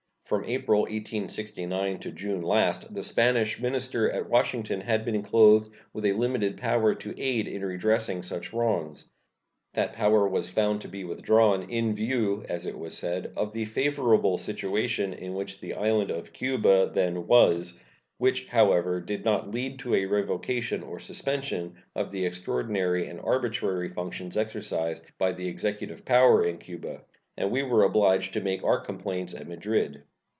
From April, 1869, to June last the Spanish minister at Washington had been clothed with a limited power to aid in redressing such wrongs. That power was found to be withdrawn, "in view," as it was said, "of the favorable situation in which the island of Cuba" then "was," which, however, did not lead to a revocation or suspension of the extraordinary and arbitrary functions exercised by the executive power in Cuba, and we were obliged to make our complaints at Madrid.